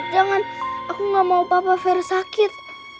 jangan aku gak mau papa fero sakit